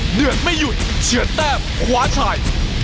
เหนือกไม่หยุดเฉียนแต้มคว้าชัย